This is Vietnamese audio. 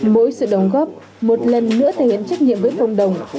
mỗi sự đồng góp một lần nữa thể hiện trách nhiệm với cộng đồng